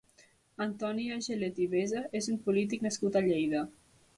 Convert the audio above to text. Antoni Agelet i Besa és un polític nascut a Lleida.